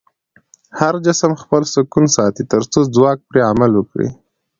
هر جسم خپل سکون ساتي تر څو ځواک پرې عمل وکړي.